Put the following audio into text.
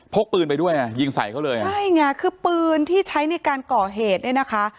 กปืนไปด้วยอ่ะยิงใส่เขาเลยอ่ะใช่ไงคือปืนที่ใช้ในการก่อเหตุเนี่ยนะคะ